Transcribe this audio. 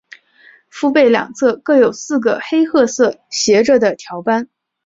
腹背两侧各有四个黑褐色斜着的条斑。